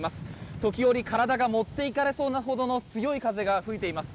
時折、体が持っていかれそうなほどの強い風が吹いています。